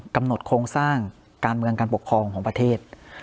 กำหนดโครงสร้างการเมืองการปกครองของประเทศ